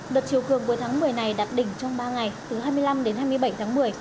đợt chiều cường cuối tháng một mươi này đạt đỉnh trong ba ngày từ hai mươi năm đến hai mươi bảy tháng một mươi